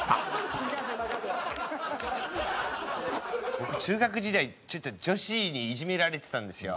僕中学時代ちょっと女子にいじめられてたんですよ。